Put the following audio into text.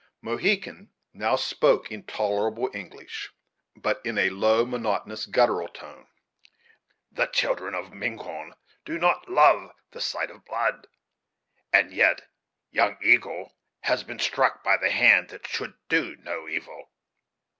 Mohegan now spoke in tolerable English, but in a low, monotonous, guttural tone; "The children of Miquon do not love the sight of blood; and yet the Young Eagle has been struck by the hand that should do no evil!"